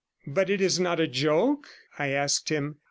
'But is it not a joke?' I asked him.